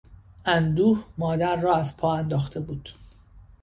اندوه، مادر را از پا انداخته بود.